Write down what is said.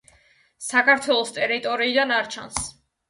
საქართველოს ტერიტორიიდან არ ჩანს.